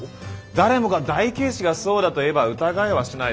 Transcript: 誰もが大警視が「そうだ」と言えば疑いはしない。